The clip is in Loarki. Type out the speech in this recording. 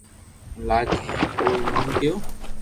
لاگي ھي ھين او رو نوم ڪيو